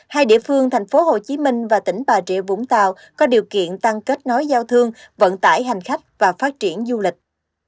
hai địa phương tp hcm và tỉnh bà rịa vũng tàu có điều kiện tăng kết nối giao thương vận tải hành khách và phát triển du lịch